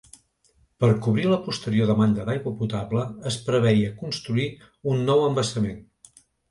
Per cobrir la posterior demanda d’aigua potable, es preveia construir un nou embassament.